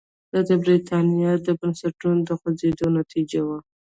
دا د برېټانیا د بنسټونو د خوځېدو نتیجه وه.